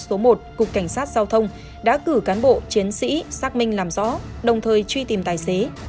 số một cục cảnh sát giao thông đã cử cán bộ chiến sĩ xác minh làm rõ đồng thời truy tìm tài xế